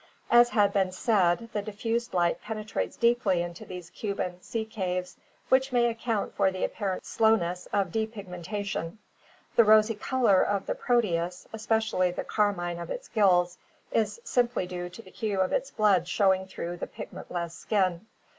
As has been said, the diffused light penetrates deeply into these Cuban sea caves, which may account for the apparent slowness of depigmentation. The rosy color of the Pro teus, especially the carmine of its gills, is simply due to the hue of its blood showing through the pigment less skin.